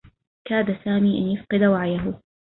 كاد سامي أن يفقد وعيه.